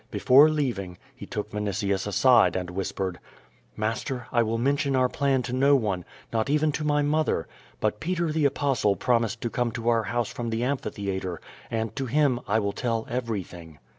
Be fore leaving, he took Vinitius aside and whispered: "Master, I will mention our plan to no one, not even to my mother, but Peter the Apostle promised to come to our house from the amphitheatre, and to him I will tell everything."